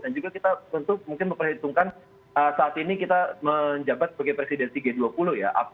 dan juga kita tentu mungkin memperhitungkan saat ini kita menjabat sebagai presidensi g dua puluh ya